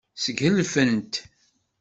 Sgelfent.